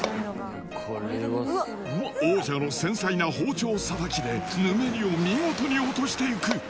王者の繊細な包丁さばきでぬめりを見事に落としていく